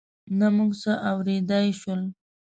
نه موږ څه اورېدای شول.